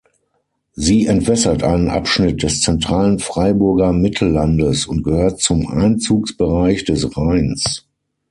Sie entwässert einen Abschnitt des zentralen Freiburger Mittellandes und gehört zum Einzugsbereich des Rheins.